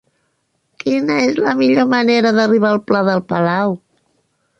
Quina és la millor manera d'arribar al pla de Palau?